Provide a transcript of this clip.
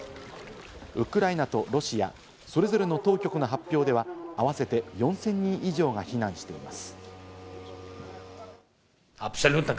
ウクライナとロシア、それぞれの当局の発表では合わせて４０００人以上が避難しています。